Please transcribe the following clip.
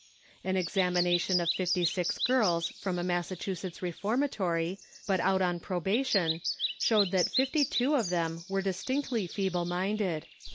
An examination of fifty six girls from a Massachusetts reformatory, but out on probation, showed that fifty two of them were distinctly feeble minded.